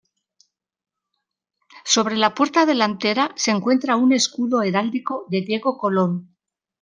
Sobre la puerta delantera se encuentra un escudo heráldico de Diego Colón.